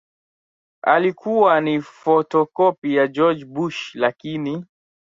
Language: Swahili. alikuwa ni fotokopi ya George Bush Lakini